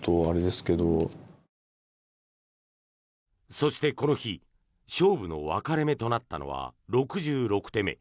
そして、この日勝負の分かれ目となったのは６６手目。